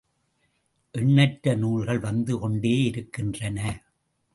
எண்ணற்ற நூல்கள் வந்து கொண்டேயிருக்கின்றன.